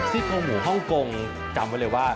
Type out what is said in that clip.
ซี่โครงหมูฮ่องกงจำไว้เลยว่า